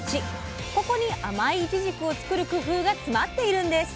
ここに甘いいちじくを作る工夫が詰まっているんです。